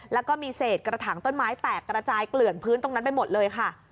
แล้วก็มีเศษกระถางต้นไม้แตกกระจายเกลื่อนพื้นตรงนั้นไปหมดเลยค่ะ